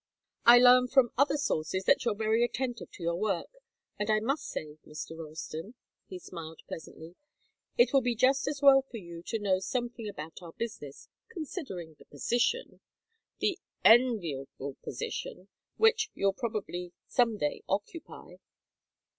I learn from other sources that you're very attentive to your work, and I must say Mr. Ralston " he smiled pleasantly "it will be just as well for you to know something about our business, considering the position the enviable position which you'll probably some day occupy."